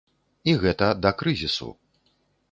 І гэта да крызісу.